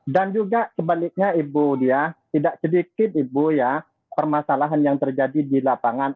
dan juga kebaliknya ibu diah tidak sedikit ibu ya permasalahan yang terjadi di lapangan